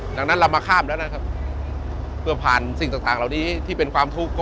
ดังนั้นเรามาข้ามแล้วนะครับเพื่อผ่านสิ่งต่างเหล่านี้ที่เป็นความทุกข์